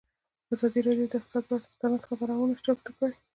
ازادي راډیو د اقتصاد پر اړه مستند خپرونه چمتو کړې.